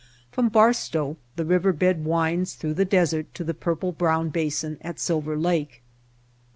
From Barstow the river bed winds through the desert to the purple brown basin at Silver Lake.